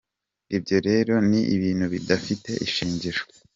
Ibyo rero ni ibintu bidafite ishingiro.